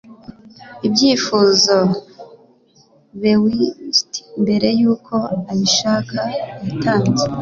Ibyifuzo bewitchd mbere yuko abishaka yatanze